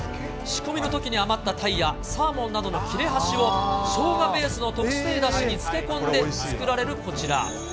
仕込みのときに余ったタイや、サーモンなどの切れ端をショウガベースの特製だしに漬け込んで、作られるこちら。